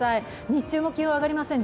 日中も気温、上がりません。